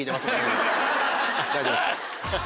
大丈夫です。